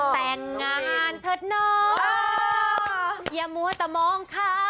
แต่งงานเพ็ดน้อง